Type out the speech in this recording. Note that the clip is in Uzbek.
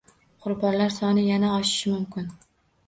Qurbonlar soni yana oshishi mumkin